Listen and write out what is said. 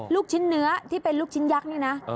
ลูกชิ้นเนื้อที่เป็นลูกชิ้นยักษ์นี่นะ